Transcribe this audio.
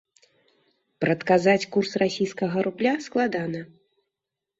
Прадказаць курс расійскага рубля складана.